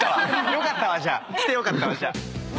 よかったわじゃあ来てよかったわ。